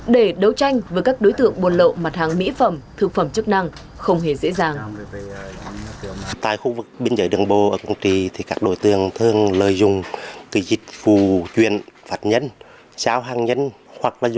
để đấu tranh với các đối tượng buôn lậu mặt hàng mỹ phẩm thực phẩm chức năng không hề dễ dàng